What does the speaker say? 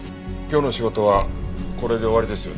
今日の仕事はこれで終わりですよね？